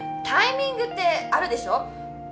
タイミングってあるでしょ？